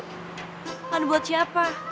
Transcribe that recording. kado buat siapa